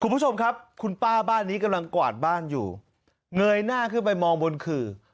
คุณผู้ชมครับคุณป้าบ้านนี้กำลังกวาดบ้านอยู่เงยหน้าขึ้นไปมองบนขื่อ